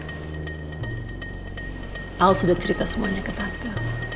paus udah cerita semuanya ke tante